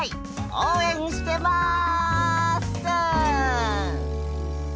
応援してます！